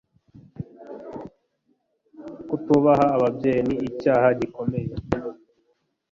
kutubaha ababyeyi ni icyaha gikomeye